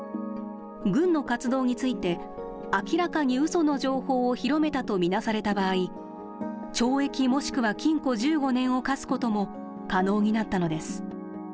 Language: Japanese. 軍の活動について、明らかにうその情報を広めたと見なされた場合、懲役もしくは禁錮１５年を科すことも可能になったのです。